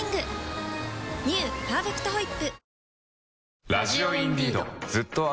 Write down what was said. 「パーフェクトホイップ」